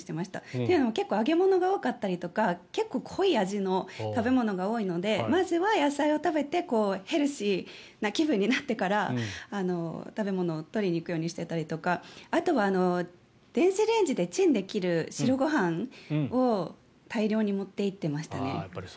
というのは結構、揚げ物が多かったりとか結構濃い味の食べ物が多いのでまずは野菜を食べてヘルシーな気分になってから食べ物を取りに行くようにしていたりとかあとは、電子レンジでチンできる白ご飯を大量に持っていっていましたね。